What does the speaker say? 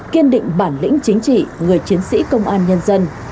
kiên định bản lĩnh chính trị người chiến sĩ công an nhân dân